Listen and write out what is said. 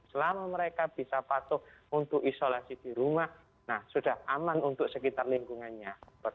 selama mereka bisa patuh untuk isolasi di rumah nah sudah aman untuk sekitar lingkungannya